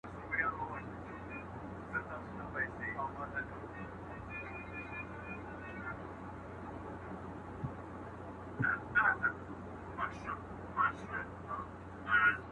خلګ بايد په سيستم باور ولري.